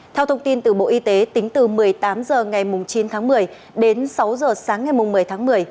theo thông tin từ bộ y tế tính từ một mươi tám h ngày chín tháng một mươi đến sáu h sáng ngày một mươi tháng một mươi